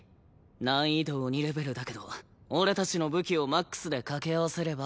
難易度鬼レベルだけど俺たちの武器をマックスで掛け合わせれば。